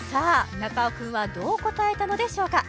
中尾君はどう答えたのでしょうか？